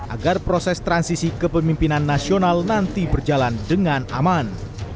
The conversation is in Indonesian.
agar proses transisi kepemimpinan nasional nanti berjalan dengan aman